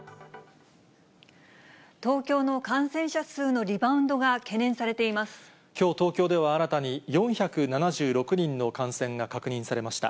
東京の感染者数のリバウンドきょう東京では新たに４７６人の感染が確認されました。